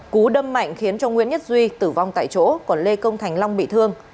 cú đâm mạnh khiến cho nguyễn nhất duy tử vong tại chỗ còn lê công thành long bị thương